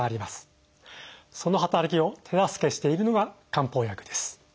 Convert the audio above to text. その働きを手助けしているのが漢方薬です。